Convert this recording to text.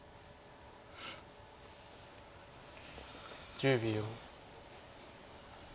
１０秒。